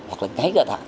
hoặc là cái giải pháp